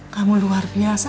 kamu luar biasa